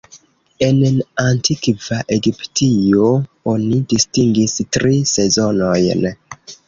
En antikva Egiptio, oni distingis tri sezonojn.